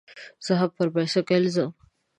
زه هم په بایسکل ځم.